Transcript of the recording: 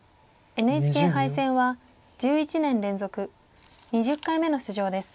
ＮＨＫ杯戦は１１年連続２０回目の出場です。